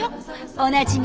おなじみ